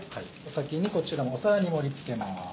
先にこちらを皿に盛り付けます。